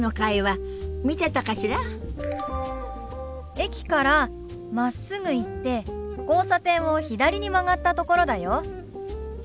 駅からまっすぐ行って交差点を左に曲がったところだよ。